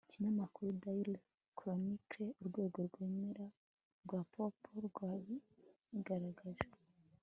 ikinyamakuru daily chronicle, urwego rwemewe rwa p. o. p., rwabigaragaje